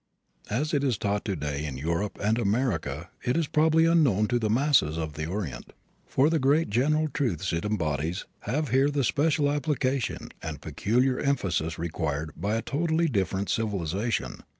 As it is taught today in Europe and America it is probably unknown to the masses of the Orient, for the great general truths it embodies have here the special application and peculiar emphasis required by a totally different civilization.